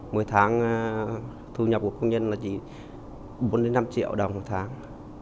mỗi tháng thu nhập của công nhân là chỉ bốn năm triệu đồng một tháng